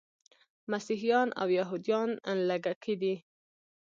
مسیحیان او یهودان لږکي دي.